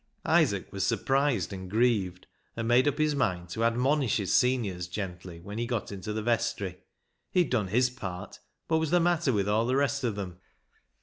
Isaac was surprised and grieved, and made up his mind to admonish his seniors gently when he got into the vestry. He had done his part. What was the matter with all the rest of them